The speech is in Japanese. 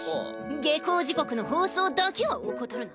下校時刻の放送だけは怠るな。